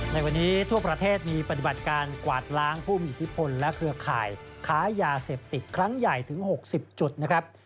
ในวันนี้ทั่วประเทศมีปฏิบัติการกวาดล้างผู้มีอิทธิพลและเครือข่ายค้ายาเสพติดครั้งใหญ่ถึง๖๐จุดนะครับ